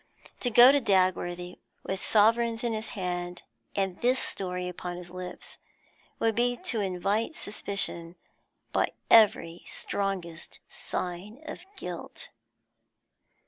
To go to Dagworthy with sovereigns in his hand, and this story upon his lips, would be to invite suspicion by every strongest sign of guilt.